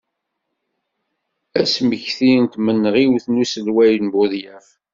Asmekti n tmenɣiwt n uselway Budyaf.